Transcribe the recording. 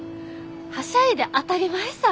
はしゃいで当たり前さ。